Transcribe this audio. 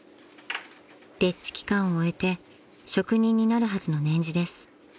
［丁稚期間を終えて職人になるはずの年次です］